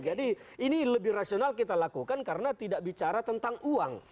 jadi ini lebih rasional kita lakukan karena tidak bicara tentang uang